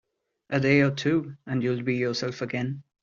A day or two, and you will be yourself again.